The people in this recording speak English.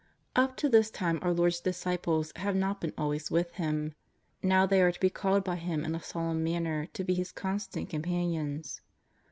Up to this time our Lord's disciples have not been always with Him. Now they are to be called by Him in a solemn manner to be His constant companions.